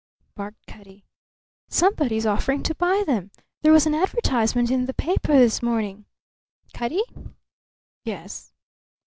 barked Cutty. "Somebody is offering to buy them. There was an advertisement in the paper this morning. Cutty?" "Yes."